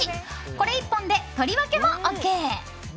これ１本で取り分けもＯＫ！